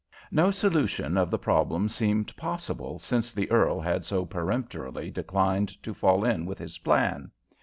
No solution of the problem seemed possible since the earl had so peremptorily declined to fall in with his plan.